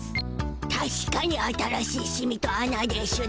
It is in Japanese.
たしかに新しいシミとあなでしゅな。